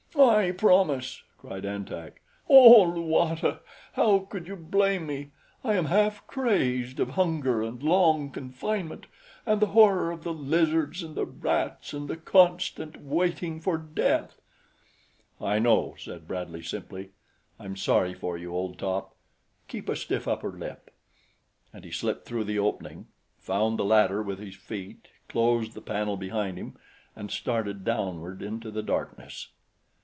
"I promise," cried An Tak. "Oh, Luata! How could you blame me? I am half crazed of hunger and long confinement and the horror of the lizards and the rats and the constant waiting for death." "I know," said Bradley simply. "I'm sorry for you, old top. Keep a stiff upper lip." And he slipped through the opening, found the ladder with his feet, closed the panel behind him, and started downward into the darkness.